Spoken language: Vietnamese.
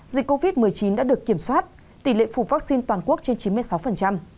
dịch covid một mươi chín đã được kiểm soát tỷ lệ phủ vaccine toàn quốc trên chín mươi sáu